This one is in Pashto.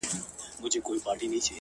• خورې ورې پرتې وي ـ